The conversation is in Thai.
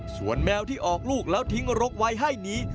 ส่วนแมวที่ออกลูกแล้วทิ้งรกไว้ให้นี้